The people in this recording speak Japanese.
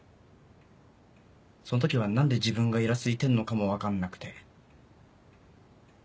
そん時は何で自分がイラついてんのかも分かんなくて。